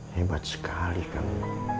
hebat sekali kamu